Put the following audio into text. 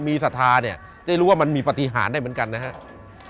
มีศรัทธาเนี่ยจะได้รู้ว่ามันมีปฏิหารได้เหมือนกันนะครับ